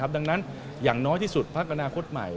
ดังนั้นอย่างน้อยที่สุดพักอนาคตใหม่